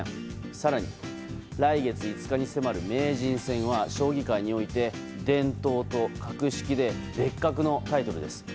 更に来月５日に迫る名人戦は伝統と格式で別格のタイトルです。